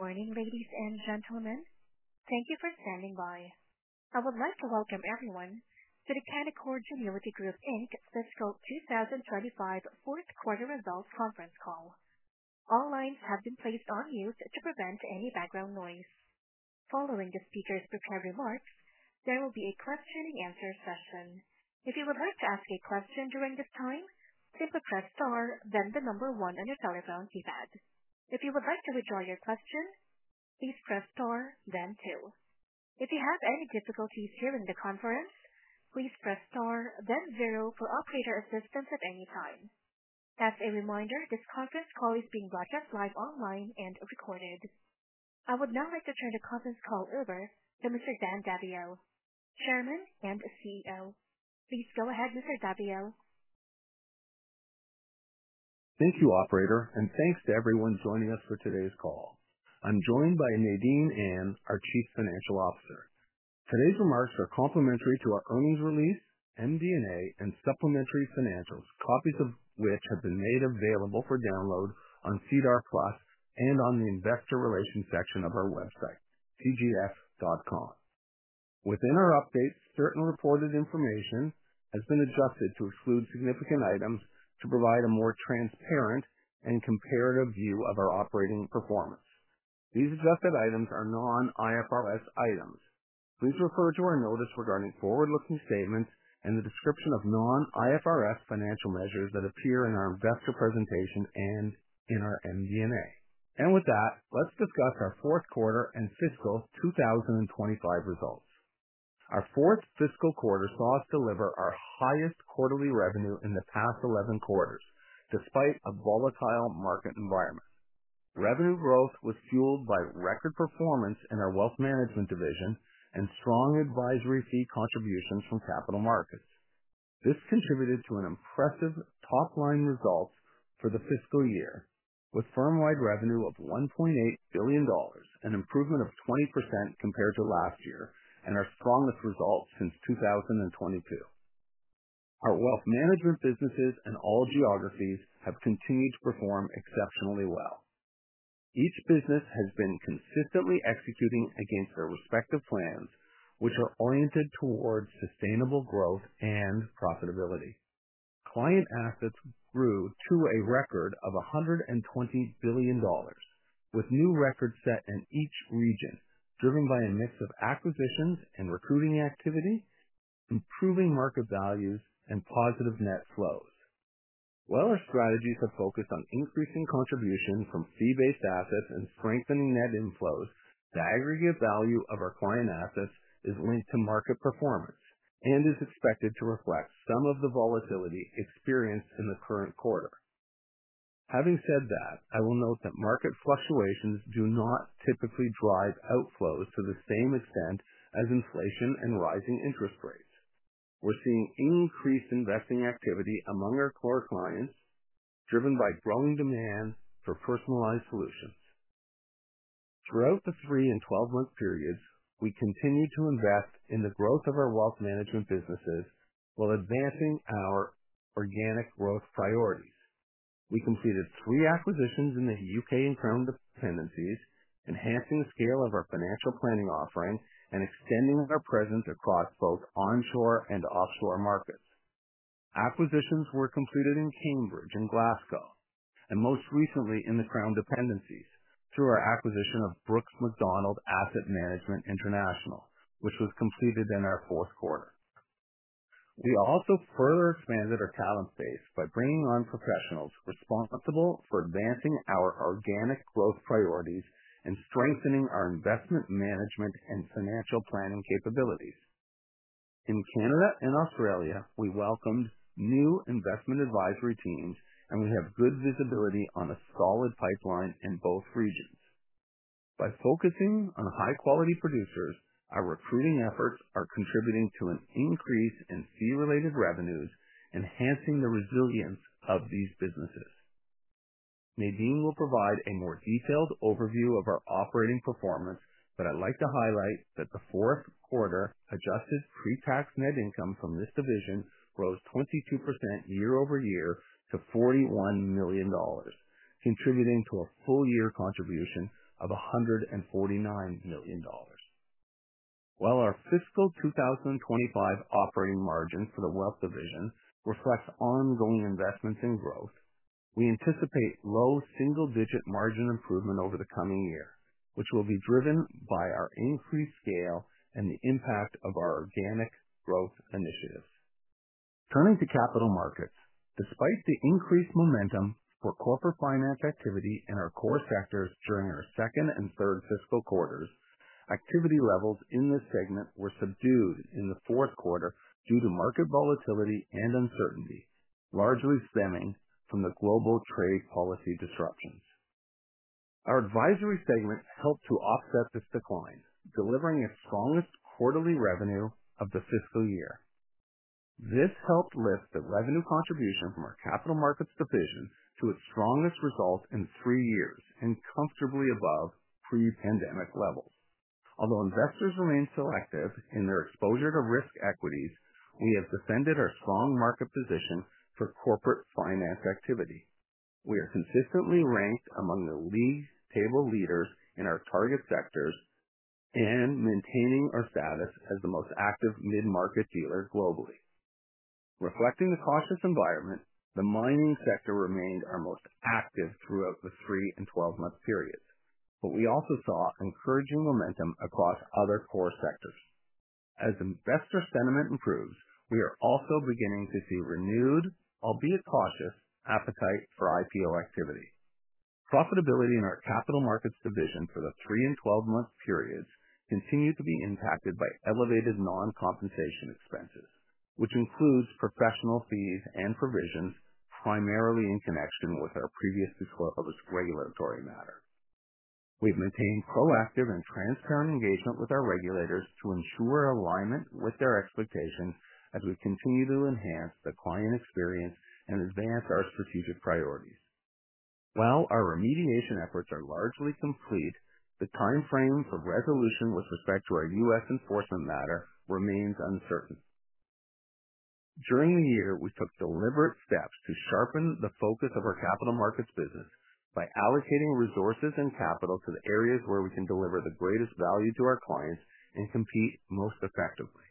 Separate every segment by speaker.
Speaker 1: Morning, ladies and gentlemen. Thank you for standing by. I would like to welcome everyone to the Canaccord Genuity Group fiscal 2025 fourth quarter results conference call. All lines have been placed on mute to prevent any background noise. Following the speaker's prepared remarks, there will be a question-and-answer session. If you would like to ask a question during this time, simply press star, then the number one on your telephone keypad. If you would like to withdraw your question, please press star, then two. If you have any difficulties hearing the conference, please press star, then zero for operator assistance at any time. As a reminder, this conference call is being broadcast live online and recorded. I would now like to turn the conference call over to Mr. Dan Daviau, Chairman and CEO. Please go ahead, Mr. Daviau.
Speaker 2: Thank you, Operator, and thanks to everyone joining us for today's call. I'm joined by Nadine Ahn, our Chief Financial Officer. Today's remarks are complementary to our earnings release, MD&A, and supplementary financials, copies of which have been made available for download on CDOR Plus and on the Investor Relations section of our website, cgx.com. Within our updates, certain reported information has been adjusted to exclude significant items to provide a more transparent and comparative view of our operating performance. These adjusted items are non-IFRS items. Please refer to our notice regarding forward-looking statements and the description of non-IFRS financial measures that appear in our investor presentation and in our MD&A. With that, let's discuss our fourth quarter and fiscal 2025 results. Our fourth fiscal quarter saw us deliver our highest quarterly revenue in the past 11 quarters, despite a volatile market environment. Revenue growth was fueled by record performance in our Wealth Management Division and strong advisory fee contributions from capital markets. This contributed to an impressive top-line result for the fiscal year, with firm-wide revenue of $1.8 billion, an improvement of 20% compared to last year, and our strongest result since 2022. Our Wealth Management businesses in all geographies have continued to perform exceptionally well. Each business has been consistently executing against their respective plans, which are oriented towards sustainable growth and profitability. Client assets grew to a record of $120 billion, with new records set in each region, driven by a mix of acquisitions and recruiting activity, improving market values, and positive net flows. While our strategies have focused on increasing contribution from fee-based assets and strengthening net inflows, the aggregate value of our client assets is linked to market performance and is expected to reflect some of the volatility experienced in the current quarter. Having said that, I will note that market fluctuations do not typically drive outflows to the same extent as inflation and rising interest rates. We're seeing increased investing activity among our core clients, driven by growing demand for personalized solutions. Throughout the three and 12-month periods, we continue to invest in the growth of our Wealth Management businesses while advancing our organic growth priorities. We completed three acquisitions in the U.K. and Crown Dependencies, enhancing the scale of our financial planning offering and extending our presence across both onshore and offshore markets. Acquisitions were completed in Cambridge and Glasgow, and most recently in the Crown Dependencies through our acquisition of Brooks McDonald Asset Management International, which was completed in our fourth quarter. We also further expanded our talent base by bringing on professionals responsible for advancing our organic growth priorities and strengthening our investment management and financial planning capabilities. In Canada and Australia, we welcomed new investment advisory teams, and we have good visibility on a solid pipeline in both regions. By focusing on high-quality producers, our recruiting efforts are contributing to an increase in fee-related revenues, enhancing the resilience of these businesses. Nadine will provide a more detailed overview of our operating performance, but I'd like to highlight that the fourth quarter adjusted pre-tax net income from this division rose 22% year-over-year to $41 million, contributing to a full-year contribution of $149 million. While our fiscal 2025 operating margin for the Wealth Division reflects ongoing investments and growth, we anticipate low single-digit margin improvement over the coming year, which will be driven by our increased scale and the impact of our organic growth initiatives. Turning to capital markets, despite the increased momentum for corporate finance activity in our core sectors during our second and third fiscal quarters, activity levels in this segment were subdued in the fourth quarter due to market volatility and uncertainty, largely stemming from the global trade policy disruptions. Our advisory segment helped to offset this decline, delivering its strongest quarterly revenue of the fiscal year. This helped lift the revenue contribution from our Capital Markets division to its strongest result in three years and comfortably above pre-pandemic levels. Although investors remain selective in their exposure to risk equities, we have defended our strong market position for corporate finance activity. We are consistently ranked among the league table leaders in our target sectors and maintaining our status as the most active mid-market dealer globally. Reflecting the cautious environment, the mining sector remained our most active throughout the three and 12-month periods, but we also saw encouraging momentum across other core sectors. As investor sentiment improves, we are also beginning to see renewed, albeit cautious, appetite for IPO activity. Profitability in our Capital Markets division for the three and 12-month periods continued to be impacted by elevated non-compensation expenses, which includes professional fees and provisions primarily in connection with our previously closed regulatory matter. We have maintained proactive and transparent engagement with our regulators to ensure alignment with their expectations as we continue to enhance the client experience and advance our strategic priorities. While our remediation efforts are largely complete, the timeframe for resolution with respect to our U.S. Enforcement matter remains uncertain. During the year, we took deliberate steps to sharpen the focus of our Capital Markets business by allocating resources and capital to the areas where we can deliver the greatest value to our clients and compete most effectively.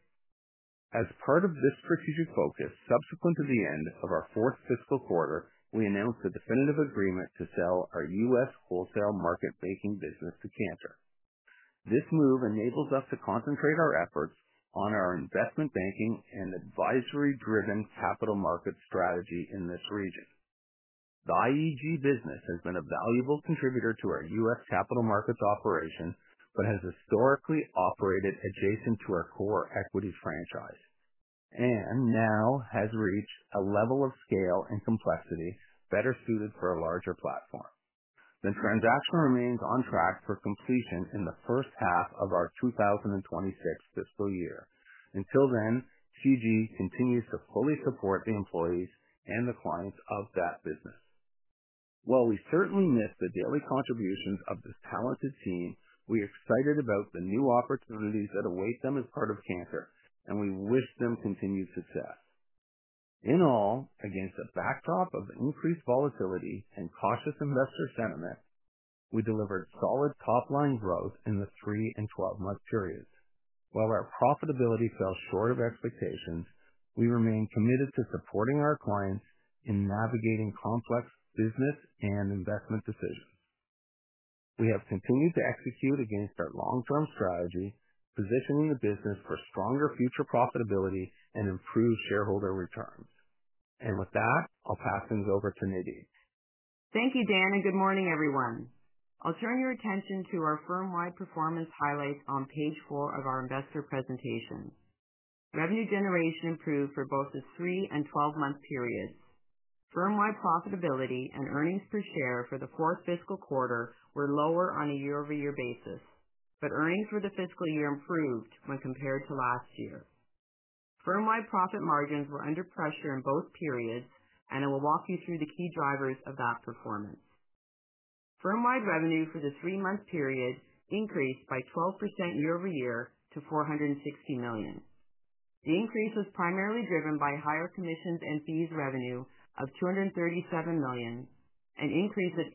Speaker 2: As part of this strategic focus, subsequent to the end of our fourth fiscal quarter, we announced a definitive agreement to sell our U.S. wholesale market banking business to Cantor. This move enables us to concentrate our efforts on our investment banking and advisory-driven capital market strategy in this region. The IEG business has been a valuable contributor to our U.S. capital markets operation but has historically operated adjacent to our core equities franchise and now has reached a level of scale and complexity better suited for a larger platform. The transaction remains on track for completion in the first half of our 2026 fiscal year. Until then, CG continues to fully support the employees and the clients of that business. While we certainly miss the daily contributions of this talented team, we are excited about the new opportunities that await them as part of Cantor, and we wish them continued success. In all, against a backdrop of increased volatility and cautious investor sentiment, we delivered solid top-line growth in the three and 12-month periods. While our profitability fell short of expectations, we remain committed to supporting our clients in navigating complex business and investment decisions. We have continued to execute against our long-term strategy, positioning the business for stronger future profitability and improved shareholder returns. With that, I'll pass things over to Nadine.
Speaker 3: Thank you, Dan, and good morning, everyone. I'll turn your attention to our firm-wide performance highlights on page four of our investor presentation. Revenue generation improved for both the three and 12-month periods. Firm-wide profitability and earnings per share for the fourth fiscal quarter were lower on a year-over-year basis, but earnings for the fiscal year improved when compared to last year. Firm-wide profit margins were under pressure in both periods, and I will walk you through the key drivers of that performance. Firm-wide revenue for the three-month period increased by 12% year-over-year to $460 million. The increase was primarily driven by higher commissions and fees revenue of $237 million, an increase of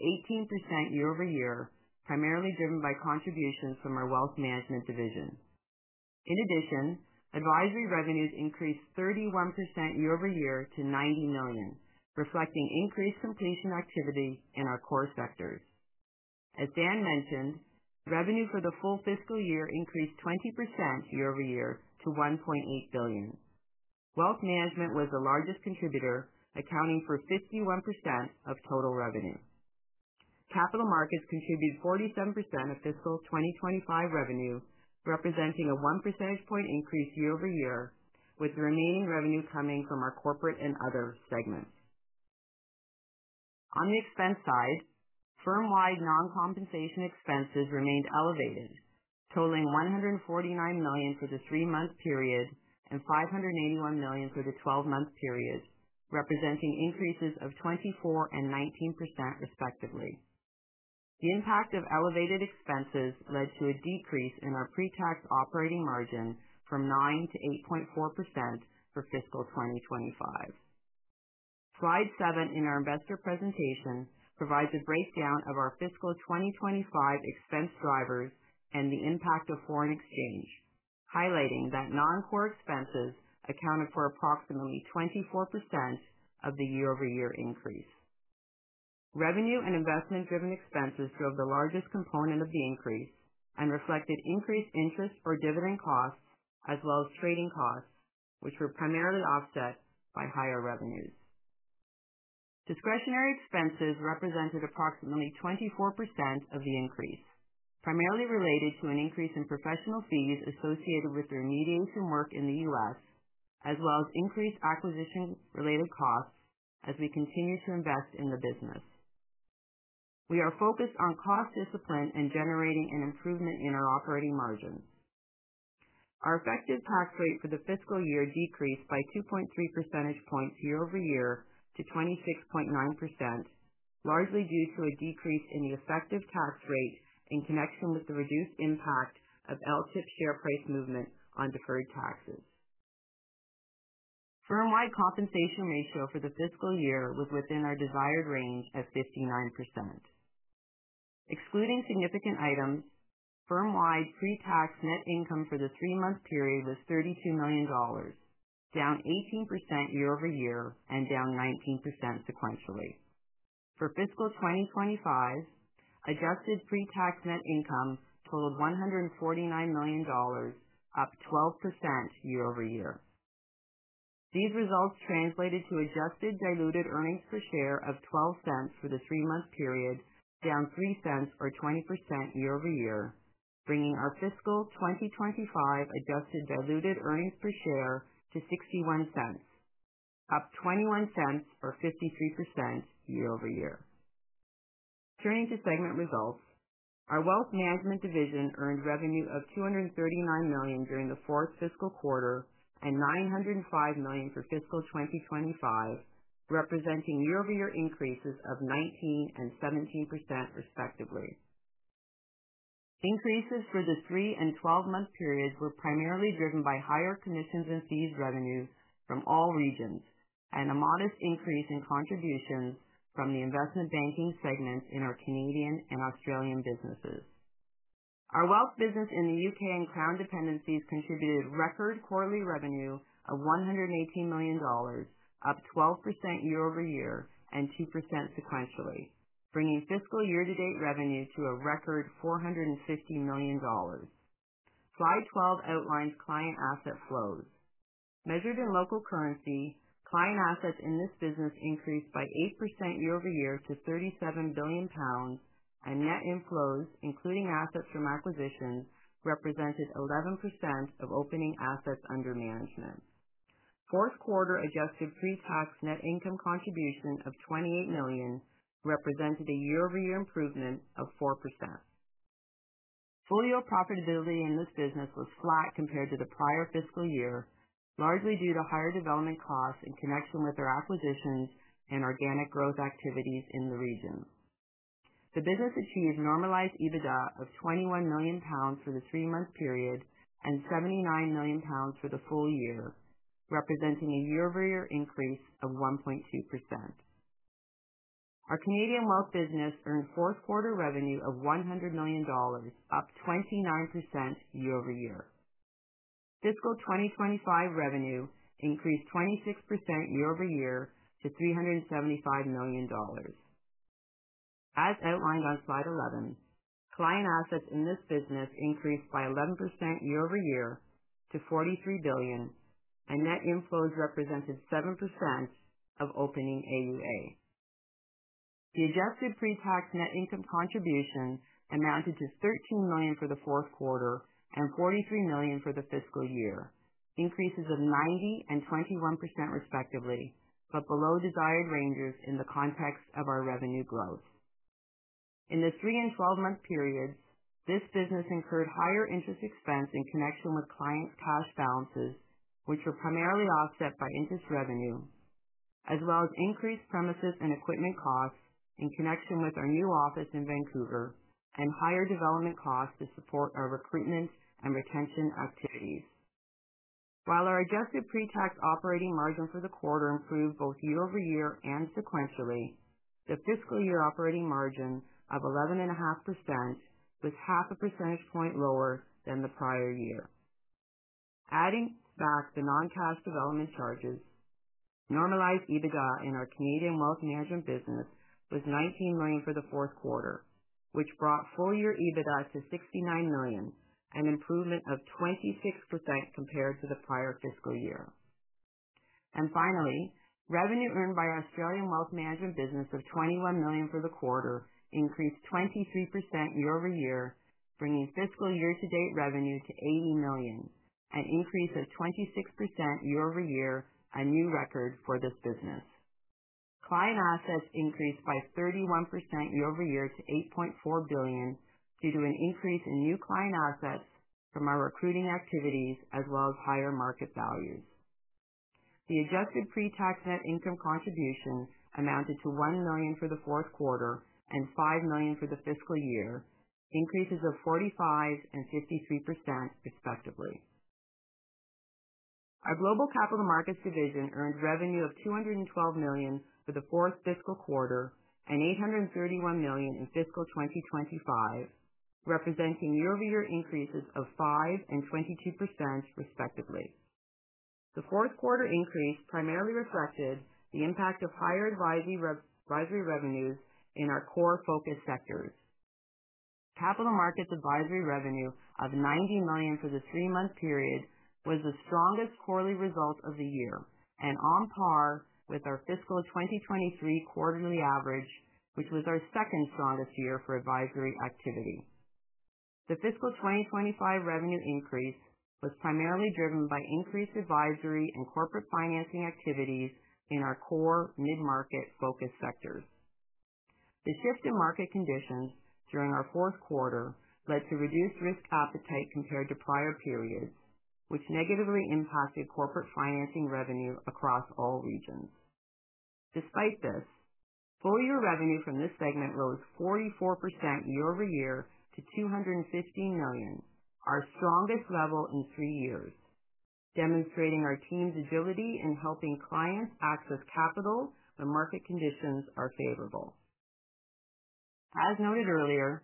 Speaker 3: 18% year-over-year, primarily driven by contributions from our Wealth Management Division. In addition, advisory revenues increased 31% year-over-year to $90 million, reflecting increased completion activity in our core sectors. As Dan mentioned, revenue for the full fiscal year increased 20% year-over-year to $1.8 billion. Wealth Management was the largest contributor, accounting for 51% of total revenue. Capital Markets contributed 47% of fiscal 2025 revenue, representing a 1 percentage point increase year-over-year, with the remaining revenue coming from our corporate and other segments. On the expense side, firm-wide non-compensation expenses remained elevated, totaling $149 million for the three-month period and $581 million for the 12-month period, representing increases of 24% and 19%, respectively. The impact of elevated expenses led to a decrease in our pre-tax operating margin from 9% to 8.4% for fiscal 2025. Slide 7 in our investor presentation provides a breakdown of our fiscal 2025 expense drivers and the impact of foreign exchange, highlighting that non-core expenses accounted for approximately 24% of the year-over-year increase. Revenue and investment-driven expenses drove the largest component of the increase and reflected increased interest or dividend costs, as well as trading costs, which were primarily offset by higher revenues. Discretionary expenses represented approximately 24% of the increase, primarily related to an increase in professional fees associated with the remediation work in the U.S., as well as increased acquisition-related costs as we continue to invest in the business. We are focused on cost discipline and generating an improvement in our operating margins. Our effective tax rate for the fiscal year decreased by 2.3 percentage points year-over-year to 26.9%, largely due to a decrease in the effective tax rate in connection with the reduced impact of LTIP share price movement on deferred taxes. Firm-wide compensation ratio for the fiscal year was within our desired range at 59%. Excluding significant items, firm-wide pre-tax net income for the three-month period was 32 million dollars, down 18% year-over-year and down 19% sequentially. For fiscal 2025, adjusted pre-tax net income totaled 149 million dollars, up 12% year-over-year. These results translated to adjusted diluted earnings per share of $0.12 for the three-month period, down $0.03, or 20% year-over-year, bringing our fiscal 2025 adjusted diluted earnings per share to $0.61, up $0.21, or 53% year-over-year. Turning to segment results, our Wealth Management Division earned revenue of 239 million during the fourth fiscal quarter and 905 million for fiscal 2025, representing year-over-year increases of 19% and 17%, respectively. Increases for the three and 12-month periods were primarily driven by higher commissions and fees revenues from all regions and a modest increase in contributions from the investment banking segment in our Canadian and Australian businesses. Our Wealth Business in the U.K. and Crown Dependencies contributed record quarterly revenue of $118 million, up 12% year-over-year and 2% sequentially, bringing fiscal year-to-date revenue to a record $450 million. Slide 12 outlines client asset flows. Measured in local currency, client assets in this business increased by 8% year-over-year to 37 billion pounds, and net inflows, including assets from acquisitions, represented 11% of opening assets under management. Fourth quarter adjusted pre-tax net income contribution of $28 million represented a year-over-year improvement of 4%. Full-year profitability in this business was flat compared to the prior fiscal year, largely due to higher development costs in connection with our acquisitions and organic growth activities in the region. The business achieved normalized EBITDA of 21 million pounds for the three-month period and 79 million pounds for the full year, representing a year-over-year increase of 1.2%. Our Canadian Wealth Business earned fourth quarter revenue of 100 million dollars, up 29% year-over-year. Fiscal 2025 revenue increased 26% year-over-year to 375 million dollars. As outlined on slide 11, client assets in this business increased by 11% year-over-year to 43 billion, and net inflows represented 7% of opening AUA. The adjusted pre-tax net income contribution amounted to 13 million for the fourth quarter and 43 million for the fiscal year, increases of 90% and 21%, respectively, but below desired ranges in the context of our revenue growth. In the three and 12-month periods, this business incurred higher interest expense in connection with clients' cash balances, which were primarily offset by interest revenue, as well as increased premises and equipment costs in connection with our new office in Vancouver and higher development costs to support our recruitment and retention activities. While our adjusted pre-tax operating margin for the quarter improved both year-over-year and sequentially, the fiscal year operating margin of 11.5% was half a percentage point lower than the prior year. Adding back the non-cash development charges, normalized EBITDA in our Canadian Wealth Management Business was 19 million for the fourth quarter, which brought full-year EBITDA to 69 million, an improvement of 26% compared to the prior fiscal year. Finally, revenue earned by Australian Wealth Management Business of 21 million for the quarter increased 23% year-over-year, bringing fiscal year-to-date revenue to 80 million, an increase of 26% year-over-year, a new record for this business. Client assets increased by 31% year-over-year to 8.4 billion due to an increase in new client assets from our recruiting activities, as well as higher market values. The adjusted pre-tax net income contribution amounted to $1 million for the fourth quarter and $5 million for the fiscal year, increases of 45% and 53%, respectively. Our Global Capital Markets Division earned revenue of $212 million for the fourth fiscal quarter and $831 million in fiscal 2025, representing year-over-year increases of 5% and 22%, respectively. The fourth quarter increase primarily reflected the impact of higher advisory revenues in our core focus sectors. Capital Markets advisory revenue of $90 million for the three-month period was the strongest quarterly result of the year, and on par with our fiscal 2023 quarterly average, which was our second strongest year for advisory activity. The fiscal 2025 revenue increase was primarily driven by increased advisory and corporate financing activities in our core mid-market focus sectors. The shift in market conditions during our fourth quarter led to reduced risk appetite compared to prior periods, which negatively impacted corporate financing revenue across all regions. Despite this, full-year revenue from this segment rose 44% year-over-year to $215 million, our strongest level in three years, demonstrating our team's agility in helping clients access capital when market conditions are favorable. As noted earlier,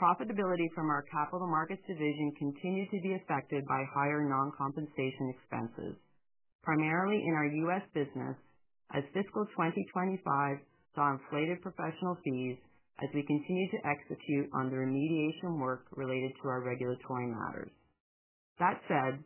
Speaker 3: profitability from our Capital Markets Division continued to be affected by higher non-compensation expenses, primarily in our U.S. business, as fiscal 2025 saw inflated professional fees as we continued to execute on the remediation work related to our regulatory matters. That said,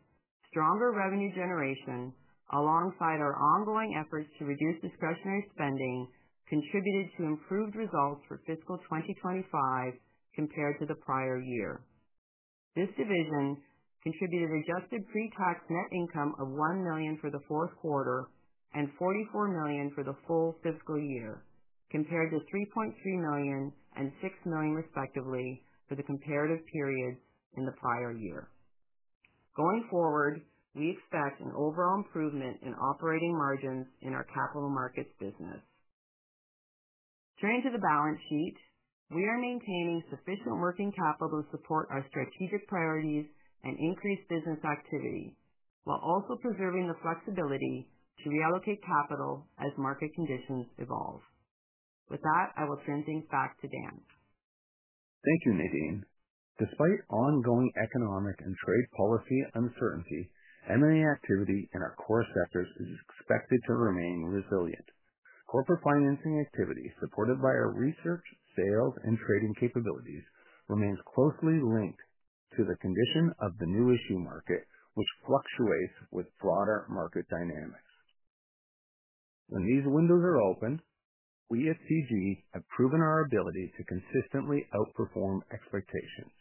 Speaker 3: stronger revenue generation, alongside our ongoing efforts to reduce discretionary spending, contributed to improved results for fiscal 2025 compared to the prior year. This division contributed adjusted pre-tax net income of $1 million for the fourth quarter and $44 million for the full fiscal year, compared to $3.3 million and $6 million, respectively, for the comparative periods in the prior year. Going forward, we expect an overall improvement in operating margins in our Capital Markets business. Turning to the balance sheet, we are maintaining sufficient working capital to support our strategic priorities and increased business activity, while also preserving the flexibility to reallocate capital as market conditions evolve. With that, I will turn things back to Dan.
Speaker 2: Thank you, Nadine. Despite ongoing economic and trade policy uncertainty, M&A activity in our core sectors is expected to remain resilient. Corporate financing activity, supported by our research, sales, and trading capabilities, remains closely linked to the condition of the new issue market, which fluctuates with broader market dynamics. When these windows are open, we at CG have proven our ability to consistently outperform expectations.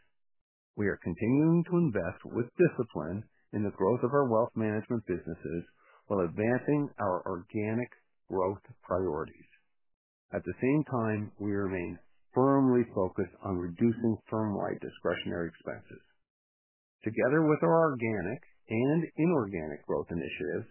Speaker 2: We are continuing to invest with discipline in the growth of our Wealth Management businesses while advancing our organic growth priorities. At the same time, we remain firmly focused on reducing firm-wide discretionary expenses. Together with our organic and inorganic growth initiatives,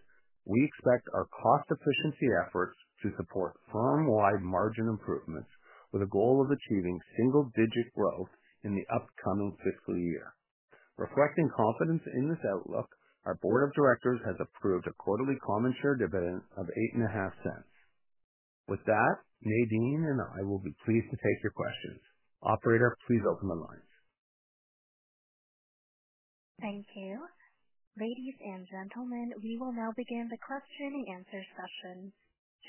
Speaker 2: we expect our cost efficiency efforts to support firm-wide margin improvements, with a goal of achieving single-digit growth in the upcoming fiscal year. Reflecting confidence in this outlook, our Board of Directors has approved a quarterly common share dividend of 0.85. With that, Nadine and I will be pleased to take your questions. Operator, please open the lines.
Speaker 1: Thank you. Ladies and gentlemen, we will now begin the question and answer session.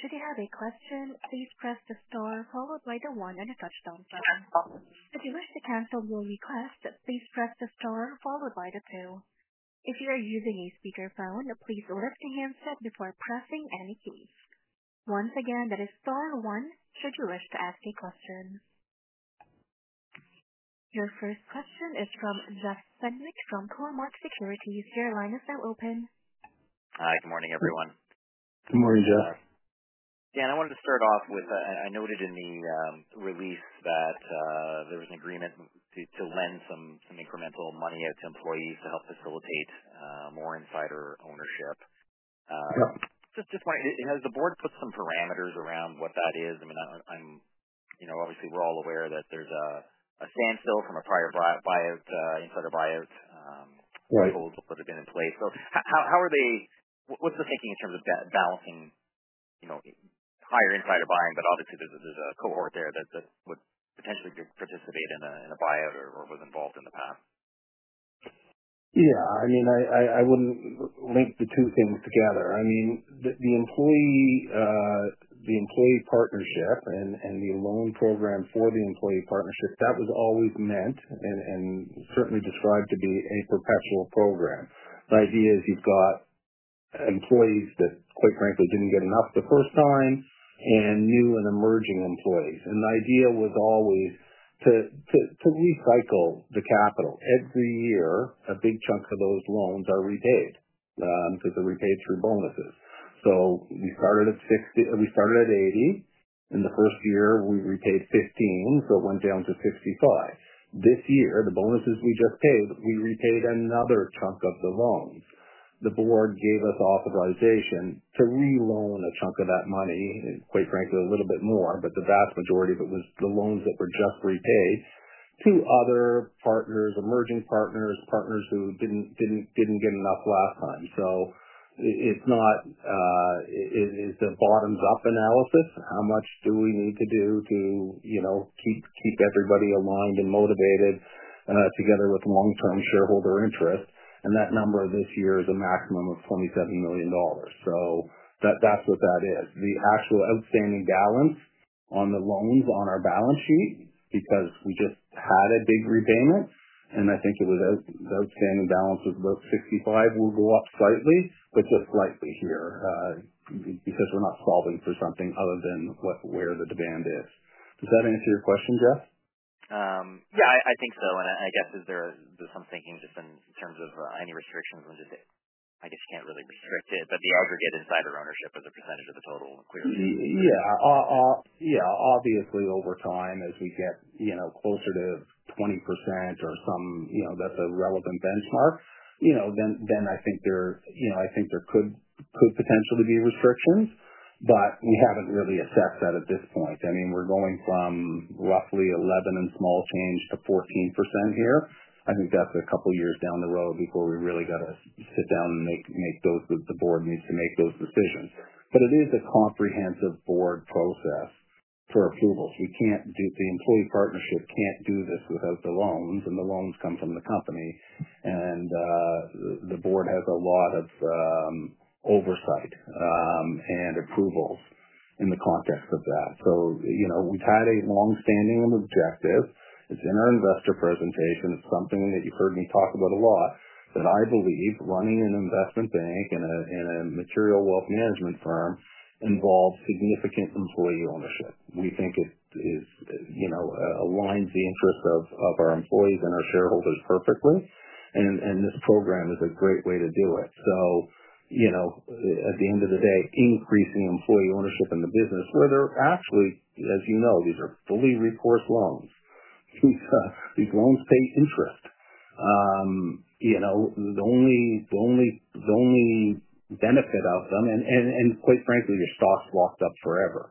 Speaker 1: Should you have a question, please press the star followed by the one on your touch-tone phone. Should you wish to cancel your request, please press the star followed by the two. If you are using a speakerphone, please lift the handset before pressing any keys. Once again, that is star one. Should you wish to ask a question. Your first question is from Jeff Fenwick from Cormark Securities. Your line is now open.
Speaker 4: Hi. Good morning, everyone. Good morning, Jeff. Yeah, and I wanted to start off with, I noted in the release that there was an agreement to lend some incremental money out to employees to help facilitate more insider ownership. Just wanted to ask, has the board put some parameters around what that is? I mean, obviously, we're all aware that there's a standstill from a prior buyout, insider buyout, holds that have been in place. How are they—what's the thinking in terms of balancing higher insider buying, but obviously, there's a cohort there that would potentially participate in a buyout or was involved in the past?
Speaker 2: Yeah, I mean, I wouldn't link the two things together. I mean, the employee partnership and the loan program for the employee partnership, that was always meant and certainly described to be a perpetual program. The idea is you've got employees that, quite frankly, didn't get enough the first time and new and emerging employees. The idea was always to recycle the capital. Every year, a big chunk of those loans are repaid because they're repaid through bonuses. We started at 80. In the first year, we repaid 15, so it went down to 65. This year, the bonuses we just paid, we repaid another chunk of the loans. The board gave us authorization to re-loan a chunk of that money, quite frankly, a little bit more, but the vast majority of it was the loans that were just repaid to other partners, emerging partners, partners who did not get enough last time. It is the bottoms-up analysis. How much do we need to do to keep everybody aligned and motivated together with long-term shareholder interest? That number this year is a maximum of $27 million. That is what that is. The actual outstanding balance on the loans on our balance sheet, because we just had a big repayment, and I think the outstanding balance of about $65 million will go up slightly, but just slightly here, because we are not solving for something other than where the demand is. Does that answer your question, Jeff?
Speaker 4: Yeah, I think so. I guess is there some thinking just in terms of any restrictions when just, I guess, you can't really restrict it, but the aggregate insider ownership as a percentage of the total, clearly?
Speaker 2: Yeah. Yeah, obviously, over time, as we get closer to 20% or some, that's a relevant benchmark, then I think there could potentially be restrictions, but we haven't really assessed that at this point. I mean, we're going from roughly 11 and small change to 14% here. I think that's a couple of years down the road before we really got to sit down and make those—the board needs to make those decisions. It is a comprehensive board process for approvals. The employee partnership can't do this without the loans, and the loans come from the company, and the board has a lot of oversight and approvals in the context of that. We have had a long-standing objective. It is in our investor presentation. It is something that you have heard me talk about a lot, that I believe running an investment bank and a material wealth management firm involves significant employee ownership. We think it aligns the interests of our employees and our shareholders perfectly, and this program is a great way to do it. At the end of the day, increasing employee ownership in the business, where there actually, as you know, these are fully recourse loans. These loans pay interest. The only benefit of them—and quite frankly, your stock is locked up forever.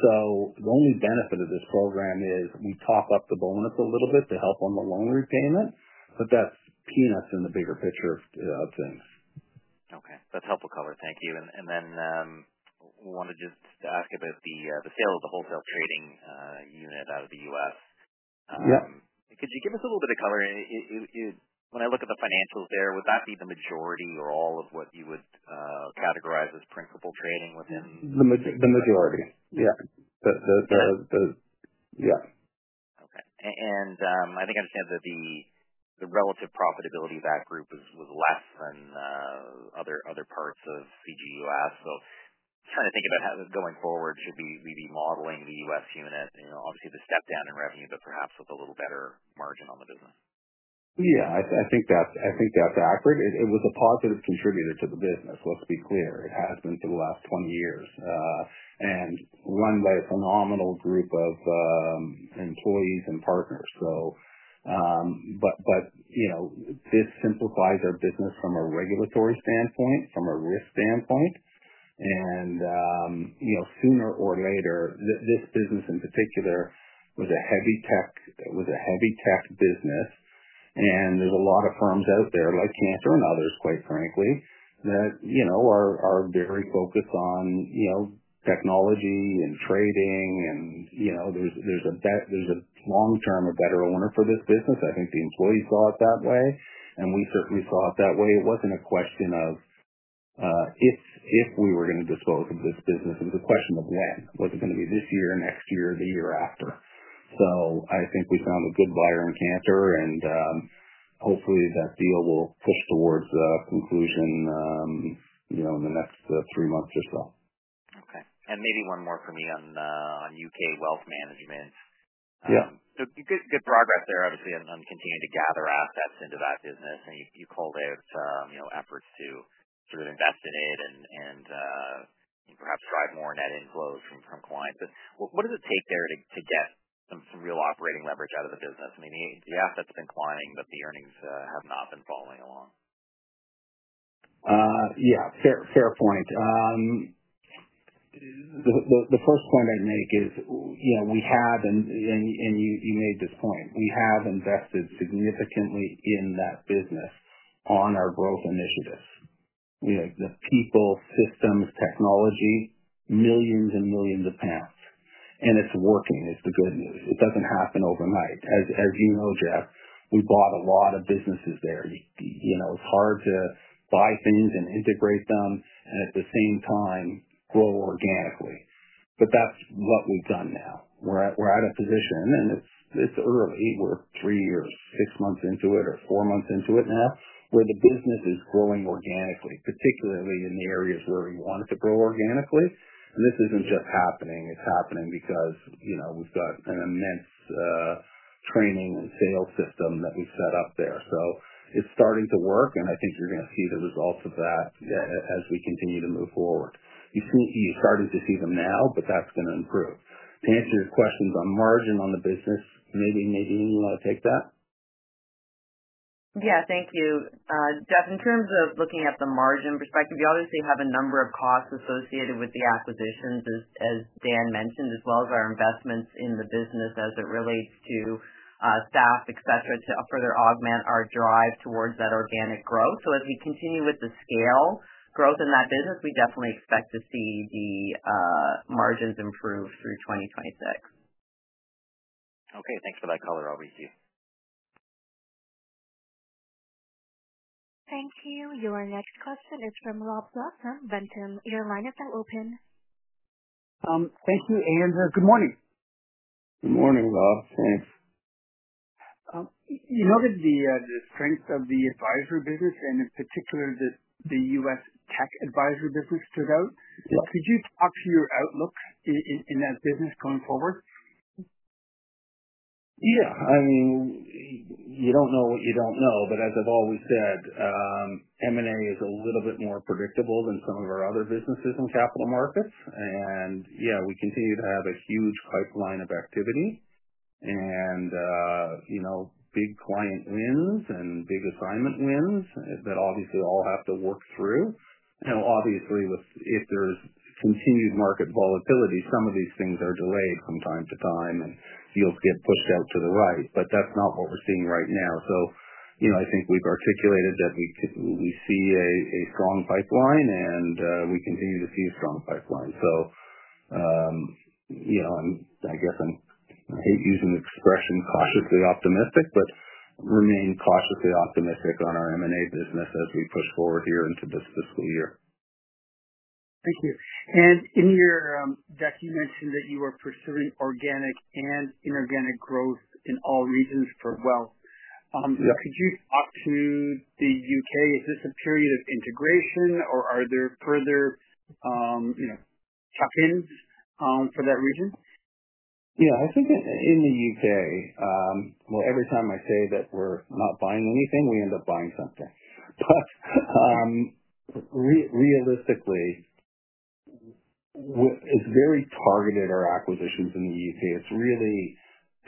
Speaker 2: The only benefit of this program is we top up the bonus a little bit to help on the loan repayment, but that is peanuts in the bigger picture of things.
Speaker 4: Okay. That is helpful color. Thank you. I wanted just to ask about the sale of the wholesale trading unit out of the U.S. Yeah. Could you give us a little bit of color? When I look at the financials there, would that be the majority or all of what you would categorize as principal trading within?
Speaker 2: The majority. Yeah. Yeah.
Speaker 4: Okay. I think I understand that the relative profitability of that group was less than other parts of CG U.S. Trying to think about how going forward should we be modeling the U.S. unit, obviously the step down in revenue, but perhaps with a little better margin on the business.
Speaker 2: Yeah. I think that's accurate. It was a positive contributor to the business, let's be clear. It has been for the last 20 years, and run by a phenomenal group of employees and partners. This simplifies our business from a regulatory standpoint, from a risk standpoint. Sooner or later, this business in particular was a heavy tech business, and there are a lot of firms out there, like Cantor and others, quite frankly, that are very focused on technology and trading. There is a long-term or better owner for this business. I think the employees saw it that way, and we certainly saw it that way. It was not a question of if we were going to dispose of this business. It was a question of when. Was it going to be this year, next year, the year after? I think we found a good buyer in Cantor, and hopefully that deal will push towards conclusion in the next three months or so.
Speaker 4: Okay. Maybe one more from me on U.K. Wealth Management. Yeah. Good progress there, obviously, on continuing to gather assets into that business. You called out efforts to sort of invest in it and perhaps drive more net inflows from clients. What does it take there to get some real operating leverage out of the business? I mean, the assets have been climbing, but the earnings have not been following along.
Speaker 2: Yeah. Fair point. The first point I'd make is we have—and you made this point—we have invested significantly in that business on our growth initiatives. The people, systems, technology, millions and millions of GBP. It's working, is the good news. It does not happen overnight. As you know, Jeff, we bought a lot of businesses there. It's hard to buy things and integrate them and at the same time grow organically. That's what we've done now. We're at a position, and it's early. We're three or six months into it or four months into it now, where the business is growing organically, particularly in the areas where we want it to grow organically. This isn't just happening. It's happening because we've got an immense training and sales system that we've set up there. It's starting to work, and I think you're going to see the results of that as we continue to move forward. You're starting to see them now, but that's going to improve. To answer your questions on margin on the business, Nadine, you want to take that?
Speaker 3: Yeah. Thank you. Jeff, in terms of looking at the margin perspective, we obviously have a number of costs associated with the acquisitions, as Dan mentioned, as well as our investments in the business as it relates to staff, etc., to further augment our drive towards that organic growth. As we continue with the scale growth in that business, we definitely expect to see the margins improve through 2026.
Speaker 4: Okay. Thanks for that color. I'll [resume].
Speaker 1: Thank you. Your next question is from [Rob Blossom] Benton. Your line is now open. Thank you. Good morning.
Speaker 2: Good morning, Rob. Thanks. You noted the strength of the advisory business, and in particular, the U.S. tech advisory business stood out. Could you talk to your outlook in that business going forward? Yeah. I mean, you do not know what you do not know, but as I have always said, M&A is a little bit more predictable than some of our other businesses in capital markets. Yeah, we continue to have a huge pipeline of activity and big client wins and big assignment wins that obviously all have to work through. Obviously, if there is continued market volatility, some of these things are delayed from time to time, and deals get pushed out to the right. That is not what we are seeing right now. I think we have articulated that we see a strong pipeline, and we continue to see a strong pipeline. I guess I hate using the expression cautiously optimistic, but remain cautiously optimistic on our M&A business as we push forward here into this fiscal year. Thank you. In your deck, you mentioned that you are pursuing organic and inorganic growth in all regions for wealth. Could you talk to the U.K.? Is this a period of integration, or are there further check-ins for that region? Yeah. I think in the U.K., every time I say that we are not buying anything, we end up buying something. Realistically, it's very targeted, our acquisitions in the U.K. It's really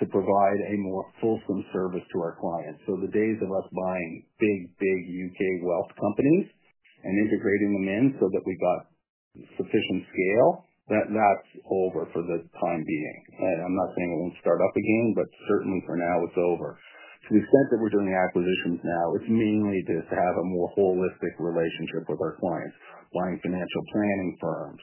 Speaker 2: to provide a more fulsome service to our clients. The days of us buying big, big U.K. wealth companies and integrating them in so that we got sufficient scale, that's over for the time being. I'm not saying it won't start up again, but certainly for now, it's over. To the extent that we're doing acquisitions now, it's mainly just to have a more holistic relationship with our clients, buying financial planning firms.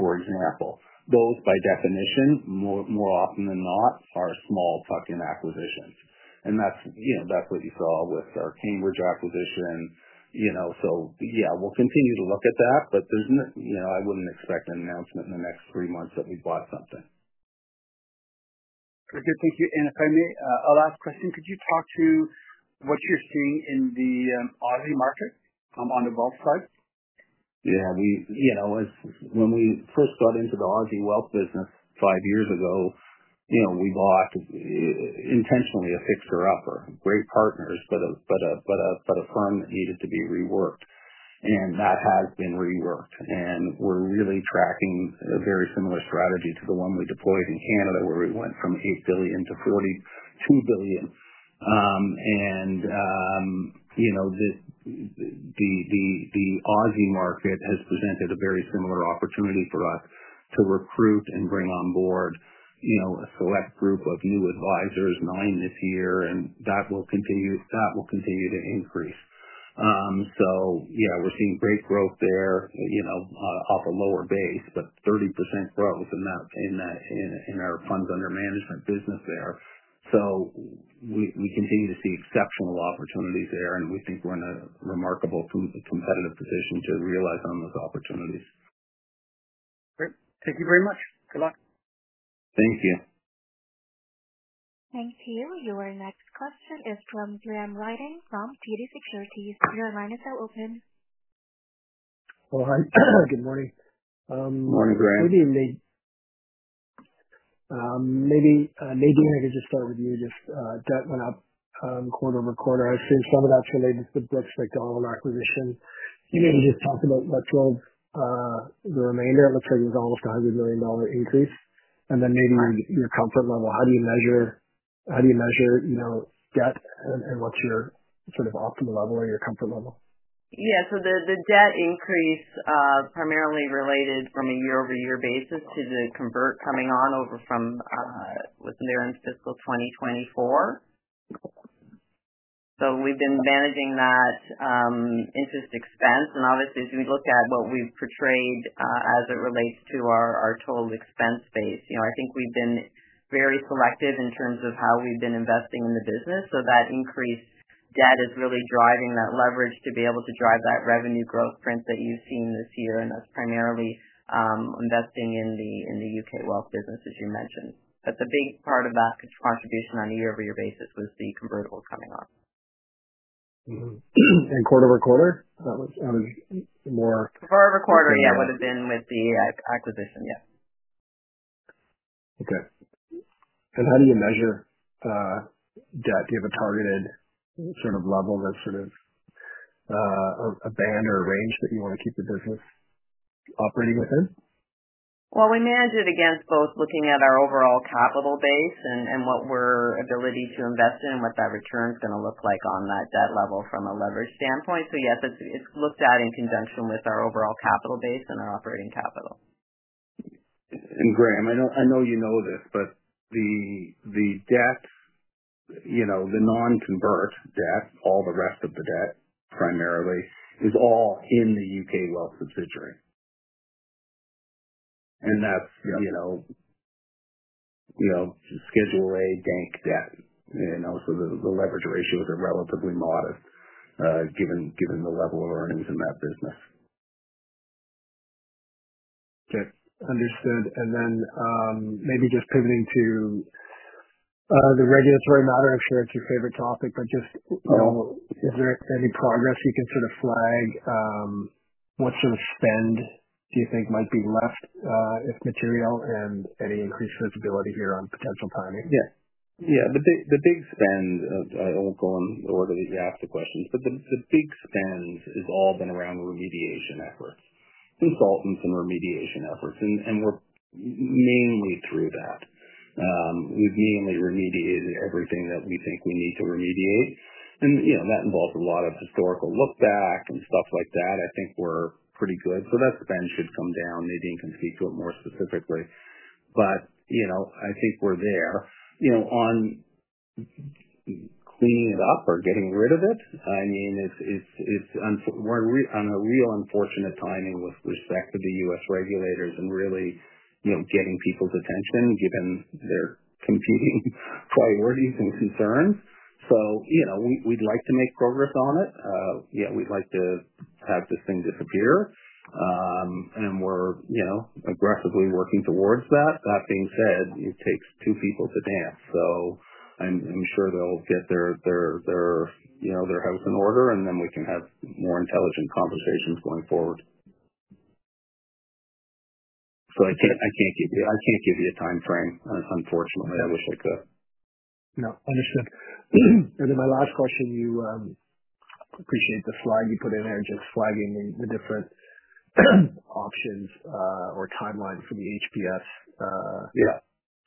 Speaker 2: For example, those by definition, more often than not, are small-tucking acquisitions. That's what you saw with our Cambridge acquisition. Yeah, we'll continue to look at that, but I wouldn't expect an announcement in the next three months that we bought something. Very good. Thank you. If I may, a last question. Could you talk to what you're seeing in the Aussie market on the wealth side? Yeah. When we first got into the Aussie wealth business five years ago, we bought intentionally a fixer-upper. Great partners, but a firm that needed to be reworked. That has been reworked. We're really tracking a very similar strategy to the one we deployed in Canada, where we went from 8 billion to 42 billion. The Aussie market has presented a very similar opportunity for us to recruit and bring on board a select group of new advisors, nine this year, and that will continue to increase. Yeah, we're seeing great growth there off a lower base, but 30% growth in our funds under management business there. We continue to see exceptional opportunities there, and we think we're in a remarkable competitive position to realize on those opportunities. Great. Thank you very much. Good luck. Thank you.
Speaker 1: Thank you. Your next question is from Graham Ryding from TD Securities. Your line is now open.
Speaker 5: Hi. Good morning.
Speaker 2: Good morning, Graham.
Speaker 5: Maybe Nadine, I could just start with you. Just debt went up quarter over quarter. I assume some of that's related to the Brooks McDonald acquisition. You maybe just talk about what drove the remainder. It looks like it was almost a $100 million increase. Maybe your comfort level. How do you measure debt and what's your sort of optimal level or your comfort level?
Speaker 3: Yeah. The debt increase primarily related from a year-over-year basis to the convert coming on over from within the fiscal 2024. We have been managing that interest expense. Obviously, as we look at what we've portrayed as it relates to our total expense base, I think we've been very selective in terms of how we've been investing in the business. That increased debt is really driving that leverage to be able to drive that revenue growth print that you've seen this year. That's primarily investing in the U.K. wealth business, as you mentioned. The big part of that contribution on a year-over-year basis was the convertibles coming on.
Speaker 5: Quarter over quarter, that was more?
Speaker 3: Quarter over quarter, yeah, would have been with the acquisition. Yeah.
Speaker 5: Okay. How do you measure debt? Do you have a targeted sort of level that's sort of a band or a range that you want to keep the business operating within?
Speaker 3: We manage it against both looking at our overall capital base and what we're able to invest in and what that return is going to look like on that debt level from a leverage standpoint. Yes, it's looked at in conjunction with our overall capital base and our operating capital.
Speaker 2: Graham, I know you know this, but the debt, the non-convert debt, all the rest of the debt primarily, is all in the U.K. wealth subsidiary. That's schedule A bank debt. The leverage ratios are relatively modest given the level of earnings in that business.
Speaker 5: Okay. Understood. Maybe just pivoting to the regulatory matter, I'm sure it's your favorite topic, but just is there any progress you can sort of flag? What sort of spend do you think might be left if material and any increased visibility here on potential timing?
Speaker 2: Yeah. Yeah. The big spend, I'll go in the order that you asked the questions, but the big spend has all been around remediation efforts. Consultants and remediation efforts. We're mainly through that. We've mainly remediated everything that we think we need to remediate. That involves a lot of historical look-back and stuff like that. I think we're pretty good. That spend should come down. Nadine can speak to it more specifically. I think we're there. On cleaning it up or getting rid of it, I mean, it's on a real unfortunate timing with respect to the U.S. regulators and really getting people's attention given their competing priorities and concerns. We'd like to make progress on it. Yeah, we'd like to have this thing disappear. We're aggressively working towards that. That being said, it takes two people to dance. I'm sure they'll get their house in order, and then we can have more intelligent conversations going forward. I can't give you a timeframe, unfortunately. I wish I could.
Speaker 5: No. Understood. My last question, I appreciate the slide you put in there and just flagging the different options or timeline for the HPS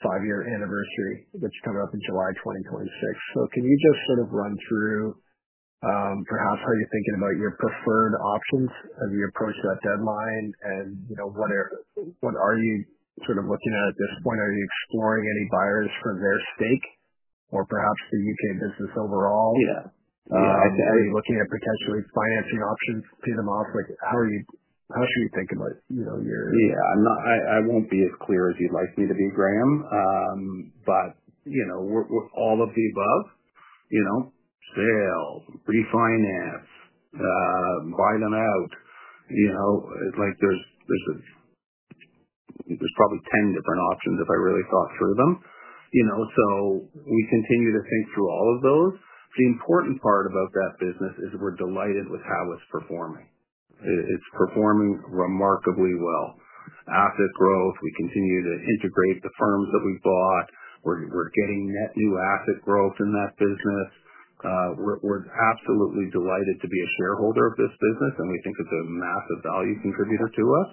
Speaker 5: five-year anniversary that's coming up in July 2026. Can you just sort of run through perhaps how you're thinking about your preferred options as you approach that deadline? What are you sort of looking at at this point? Are you exploring any buyers for their stake or perhaps the UK business overall?
Speaker 2: Yeah.
Speaker 5: Are you looking at potentially financing options to pay them off? How should you think about your—yeah.
Speaker 2: I won't be as clear as you'd like me to be, Graham. With all of the above, sale, refinance, buy them out, there are probably 10 different options if I really thought through them. We continue to think through all of those. The important part about that business is we are delighted with how it is performing. It is performing remarkably well. Asset growth, we continue to integrate the firms that we bought. We are getting net new asset growth in that business. We are absolutely delighted to be a shareholder of this business, and we think it is a massive value contributor to us.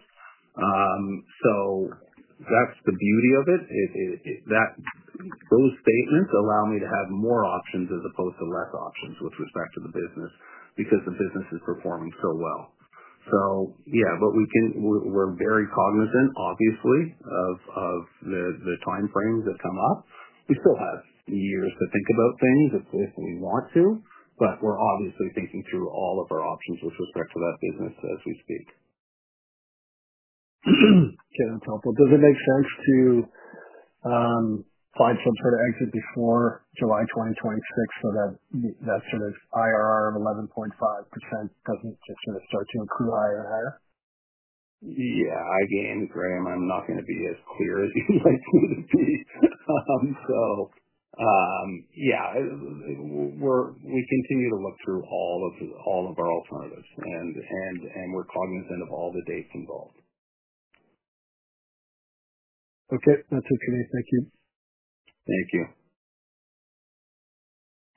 Speaker 2: That is the beauty of it. Those statements allow me to have more options as opposed to fewer options with respect to the business because the business is performing so well. We are very cognizant, obviously, of the timeframes that come up. We still have years to think about things if we want to, but we're obviously thinking through all of our options with respect to that business as we speak.
Speaker 5: Okay. That's helpful. Does it make sense to find some sort of exit before July 2026 so that sort of IRR of 11.5% does not just sort of start to accrue higher and higher?
Speaker 2: Yeah. Again, Graham, I'm not going to be as clear as you'd like me to be. Yeah, we continue to look through all of our alternatives, and we're cognizant of all the dates involved.
Speaker 5: Okay. That's okay. Thank you.
Speaker 2: Thank you.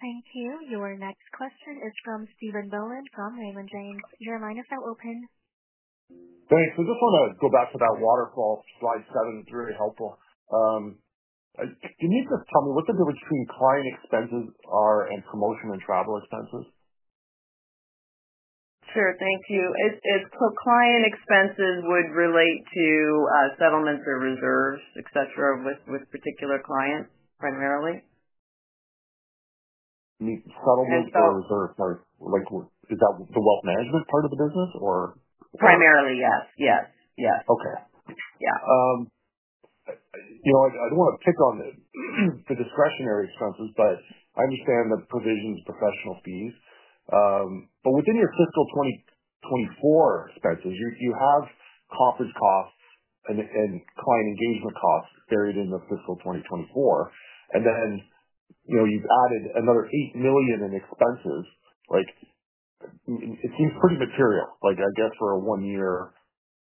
Speaker 1: Thank you. Your next question is from Steven Bowen from Raymond James. Your line is now open. Thanks. I just want to go back to that waterfall slide seven. It's very helpful. Can you just tell me what the difference between client expenses and promotion and travel expenses is?
Speaker 3: Sure. Thank you. Client expenses would relate to settlements or reserves, etc., with particular clients primarily. Settlements or reserves, sorry. Is that the wealth management part of the business, or? Primarily, yes. Yes. Yes. Okay. Yeah. I do not want to pick on the discretionary expenses, but I understand the provisions, professional fees. Within your fiscal 2024 expenses, you have conference costs and client engagement costs buried in the fiscal 2024. You have added another $8 million in expenses. It seems pretty material, I guess, for a one-year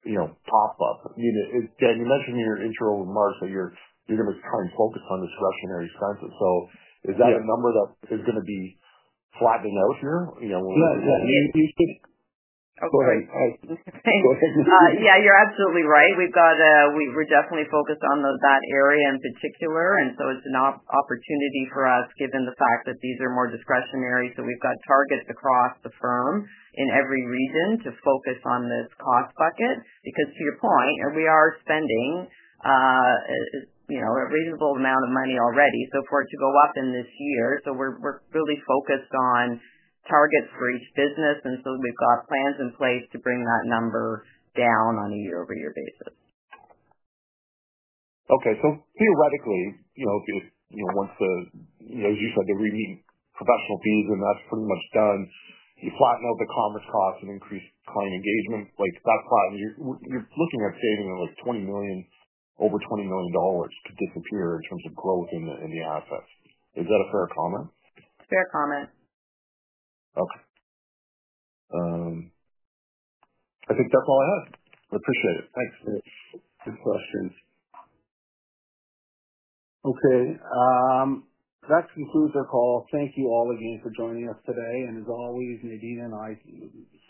Speaker 3: pop-up. Danny, you mentioned in your intro remarks that you are going to try and focus on discretionary expenses. Is that a number that is going to be flattening out here?
Speaker 2: Yeah. You should. Go ahead. Go ahead.
Speaker 3: Yeah. You are absolutely right. We're definitely focused on that area in particular. It's an opportunity for us given the fact that these are more discretionary. We've got targets across the firm in every region to focus on this cost bucket. To your point, we are spending a reasonable amount of money already for it to go up in this year. We're really focused on targets for each business. We've got plans in place to bring that number down on a year-over-year basis. Okay. Theoretically, once the, as you said, the remediated professional fees and that's pretty much done, you flatten out the commerce costs and increase client engagement. That's fine. You're looking at saving over 20 million dollars to disappear in terms of growth in the assets. Is that a fair comment? Fair comment. Okay. I think that's all I had. I appreciate it. Thanks. Good questions.
Speaker 2: Okay. That concludes our call. Thank you all again for joining us today. As always, Nadine and I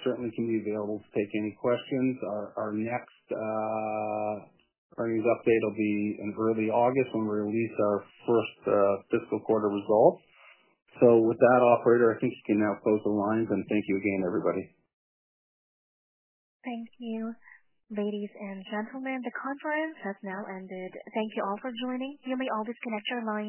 Speaker 2: certainly can be available to take any questions. Our next earnings update will be in early August when we release our first fiscal quarter results. With that, Operator, I think you can now close the lines. Thank you again, everybody.
Speaker 1: Thank you. Ladies and gentlemen, the conference has now ended. Thank you all for joining. You may all disconnect your lines.